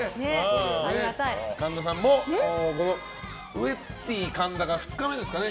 神田さんもウェッティー神田が今日２日目ですかね。